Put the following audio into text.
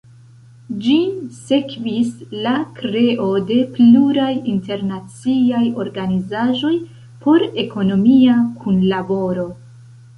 Ĝin sekvis la kreo de pluraj internaciaj organizaĵoj por ekonomia kunlaboro.